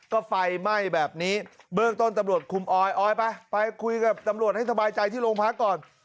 ก็ไฟไหม้แบบนี้เบื้องต้นตำรวจคุมออยออยไปไปคุยกับตำรวจให้สบายใจที่โรงพักก่อน